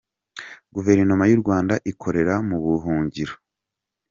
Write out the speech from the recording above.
Guverinoma y’u Rwanda ikorera mu buhungiro.